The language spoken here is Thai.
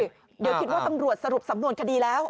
เดี๋ยวคิดว่าตำรวจสรุปสำนวนคดีแล้ว